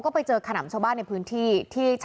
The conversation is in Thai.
ก็ไปเจอขนำชาวบ้านในพื้นที่